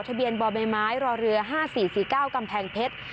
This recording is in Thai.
ทะเบียนบ่อใบไม้รอเรือ๕๔๔๙กำแพงเพชร